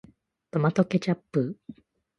トマトケチャップ